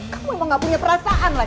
kamu emang gak punya perasaan lah